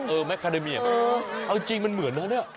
แมคคาเดเมียเอาจริงมันเหมือนนะเนี่ย